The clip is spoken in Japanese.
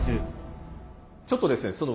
ちょっとですね